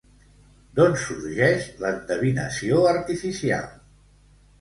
D'on sorgeix l'endevinació artificial?